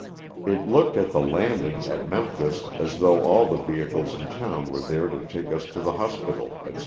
It looked at the lauding, at Memphis, as though all the vehicles in town were there to take us to the hospitals, etc.